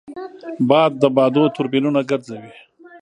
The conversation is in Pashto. باد د بادو توربینونه ګرځوي